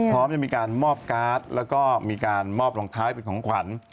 พร้อมยังมีการมอบการ์ดแล้วก็มีการมอบรองท้ายเป็นของขวัญ